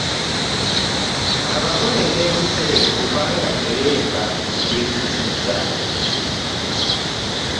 Abagole beevuze kubanga ddereeva yeebuzizza.